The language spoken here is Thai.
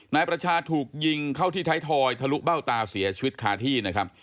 นายประชาถูกยิงเข้าที่ไทยทอยทะลุเบ้าตาเสียชีวิตคาที่นะครับ